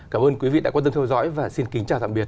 cảm ơn quý vị đã quan tâm theo dõi và xin kính chào tạm biệt